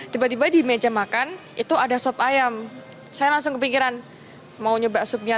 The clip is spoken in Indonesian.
tiba tiba di meja makan itu ada sop ayam saya langsung kepikiran mau nyoba supnya